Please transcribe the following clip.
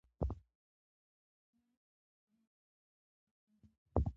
سیلاني ځایونه د افغانستان په طبیعت کې رول لري.